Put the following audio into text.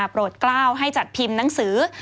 โปรดกล้าวให้จัดพิมพ์หนังสือ